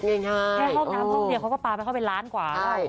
แค่ห้องน้ำของเนี่ยค่อยป้าไปเข้าไปล้านกว่า